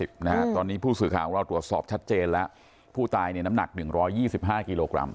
ตอนนี้ผู้สื่อข่าวของเราตรวจสอบชัดเจนแล้วผู้ตายเนี่ยน้ำหนัก๑๒๕กิโลกรัม